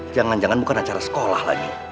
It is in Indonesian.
jangan jangan bukan acara sekolah lagi